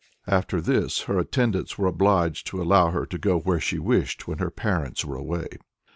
After this her attendants were obliged to allow her to go where she wished, when her parents were away.